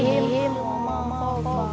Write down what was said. ya'u mama bainaini